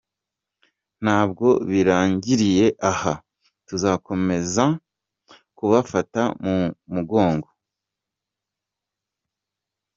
Ntabwo birangiriye aha, tuzakomeza kubafata mu mugongo.